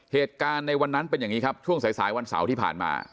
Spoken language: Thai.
เหตุการณ์ในวันนั้นเป็นอย่างนี้ครับช่วงสายวันเสาร์ที่ผ่านมา